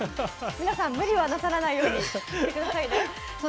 皆さん、無理はなさらないようにしてくださいね。